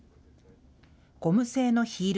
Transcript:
ゴム製のヒール。